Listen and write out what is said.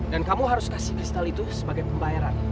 dan kamu harus kasih kristal itu sebagai pembayaran